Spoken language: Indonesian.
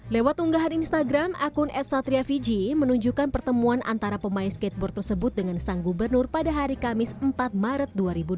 lewat unggahan instagram akun ad satria fiji menunjukkan pertemuan antara pemain skateboard tersebut dengan sang gubernur pada hari kamis empat maret dua ribu dua puluh